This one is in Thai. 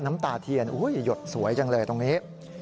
น้ำตาเทียนหยดสวยจังเลยตรงนี้